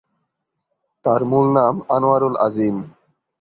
তার মূল নাম আনোয়ারুল আজিম।